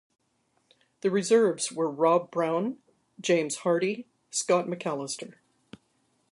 The reserves were Rob Brown, James Hardy, Scott McAllister.